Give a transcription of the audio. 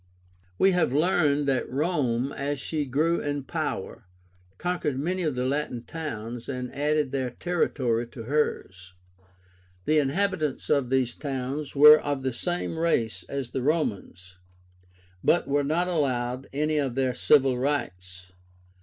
We have learned that Rome, as she grew in power, conquered many of the Latin towns, and added their territory to hers. The inhabitants of these towns were of the same race as the Romans, but were not allowed any of their civil rights.